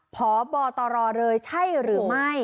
เพราะบอตรเลยใช่หรือไม่